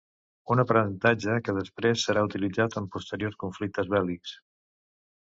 Un aprenentatge que després serà utilitzat en posteriors conflictes bèl·lics.